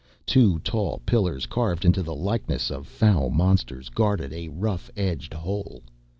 Two tall pillars, carved into the likeness of foul monsters, guarded a rough edged hole.